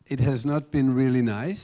itu tidak pernah sangat bagus